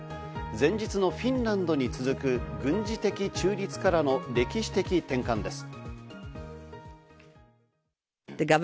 前日のフィンランドに続く、軍事的中立からの歴史的転換です。